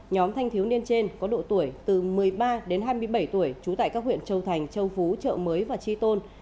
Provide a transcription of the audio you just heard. nhóm thanh thiếu niên trên có độ tuổi từ một mươi ba đến hai mươi bảy tuổi trú tại các huyện châu thành châu phú chợ mới và chi tôn